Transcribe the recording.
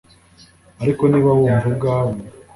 ariko niba wumva ubwawe